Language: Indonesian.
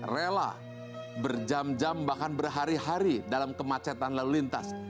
rela berjam jam bahkan berhari hari dalam kemacetan lalu lintas